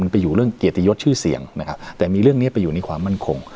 ไปอยู่เรื่องเกียรติยศชื่อเสียงนะครับแต่มีเรื่องนี้ไปอยู่ในความมั่นคง